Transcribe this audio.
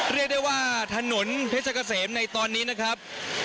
เรียกได้ว่าถนนเพชรเกษมในตอนนี้นะครับ